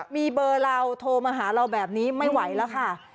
มีเบอร์เราโทรมาหาเราแบบนี้ไม่ไหวแล้วค่ะ